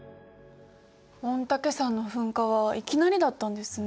御嶽山の噴火はいきなりだったんですね。